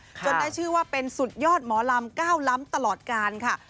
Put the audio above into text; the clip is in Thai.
ได้ชื่อว่าเป็นสุดยอดหมอลำก้าวล้ำตลอดกาลค่ะ